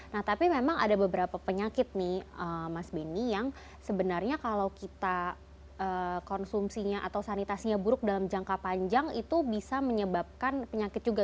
nah tapi memang ada beberapa penyakit nih mas benny yang sebenarnya kalau kita konsumsinya atau sanitasinya buruk dalam jangka panjang itu bisa menyebabkan penyakit juga